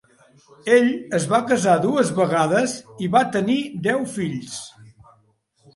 Ell es va casar dues vegades i va tenir deu fills.